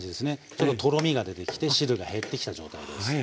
ちょっととろみが出てきて汁が減ってきた状態です。